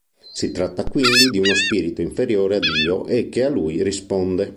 Si tratta quindi di uno spirito inferiore a Dio e che a lui risponde.